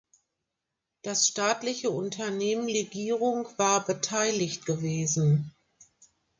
Das Staatliche Unternehmen "Legierung" war beteiligt gewesen.